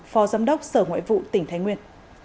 phó giám đốc sở ngoại vụ tỉnh thái nguyên